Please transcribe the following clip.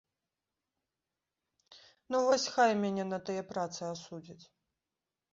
Ну, вось хай мяне на тыя працы асудзяць.